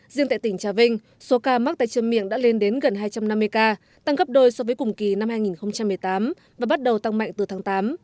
riêng tại tỉnh trà vinh số ca mắc tay chân miệng đã lên đến gần hai trăm năm mươi ca tăng gấp đôi so với cùng kỳ năm hai nghìn một mươi tám và bắt đầu tăng mạnh từ tháng tám